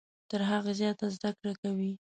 تر هغه زیاته زده کړه کوي .